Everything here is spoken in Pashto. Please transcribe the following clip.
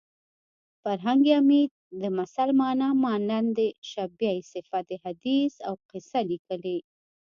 فرهنګ عمید د مثل مانا مانند شبیه صفت حدیث او قصه لیکلې